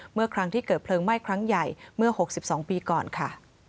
เมื่อครั้งที่เกิดเพลิงไหม้ครั้งใหญ่เมื่อ๖๒ปีก่อนค่ะ